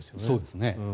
そうですね。